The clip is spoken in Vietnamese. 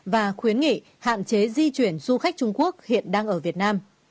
và khuyến nghị hạn chế di chuyển du khách trung quốc hiện đang ở việt nam